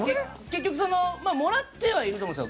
もらってはいると思うんです。